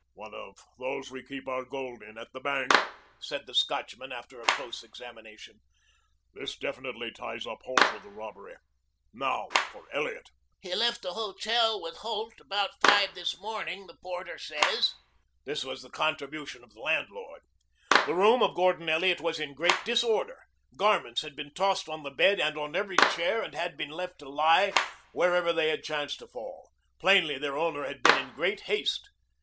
"One of those we keep our gold in at the bank," said the Scotchman after a close examination. "This definitely ties up Holt with the robbery. Now for Elliot." "He left the hotel with Holt about five this morning the porter says." This was the contribution of the landlord. The room of Gordon Elliot was in great disorder. Garments had been tossed on the bed and on every chair and had been left to lie wherever they had chanced to fall. Plainly their owner had been in great haste.